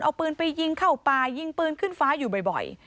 เอาปืนไปยิงเข้าป่ายิงปืนขึ้นฟ้าอยู่บ่อย